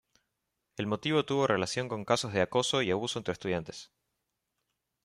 El motivo tuvo relación con casos de acoso y abuso entre estudiantes.